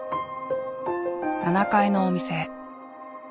７階のお店へ。